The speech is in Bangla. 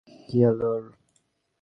কী হলো ওর?